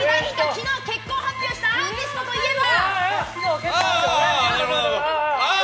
昨日結婚を発表したアーティストといえば。